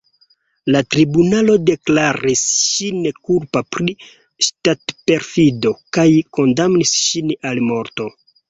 La tribunalo deklaris ŝin kulpa pri ŝtatperfido kaj kondamnis ŝin al morto.